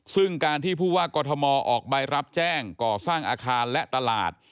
ซึ่งการที่ผู้ว่ากรทมออกใบรับแจ้งก่อสร้างอาคารและตลาด